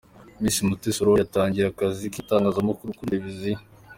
Miss Mutesi Aurore yatangiye akazi k'itangazamakuru kuri Televiziyo.